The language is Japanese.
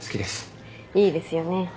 いいですよね。